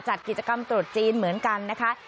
จัดกิจกรรมตรุษจีนเหมือนกันนะคะ